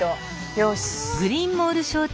よし。